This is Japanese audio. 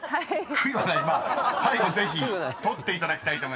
最後ぜひ取っていただきたいと思います］